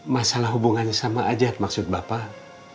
masalah hubungan sama ajat maksud bapak